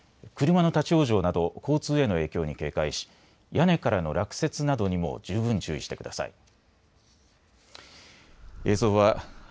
車の立往生など交通への影響に警戒し屋根からの落雪などにも十分注意してください。